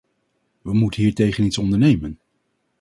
We moeten hiertegen iets ondernemen.